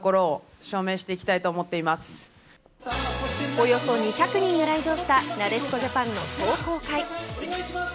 およそ２００人が来場したなでしこジャパンの壮行会。